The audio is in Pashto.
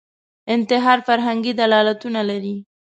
انتحار فرهنګي دلالتونه لري